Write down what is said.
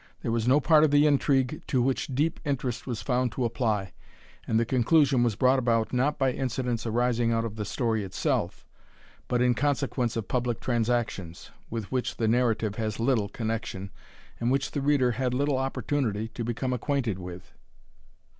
There was no part of the intrigue to which deep interest was found to apply; and the conclusion was brought about, not by incidents arising out of the story itself, but in consequence of public transactions, with which the narrative has little connexion, and which the reader had little opportunity to become acquainted with.